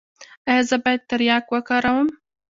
ایا زه باید تریاک وکاروم؟